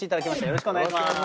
よろしくお願いします。